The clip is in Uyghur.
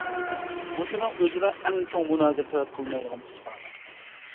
مۇشۇنىڭ ئۆزىلا ئەڭ چوڭ مۇنازىرە تەلەپ قىلمايدىغان ئىسپات.